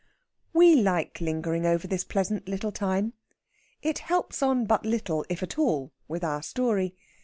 We like lingering over this pleasant little time. It helps on but little, if at all, with our story.